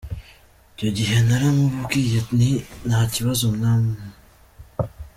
Icyo gihe naramubwiye nti “Nta kibazo mama.